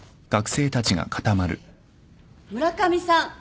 村上さん。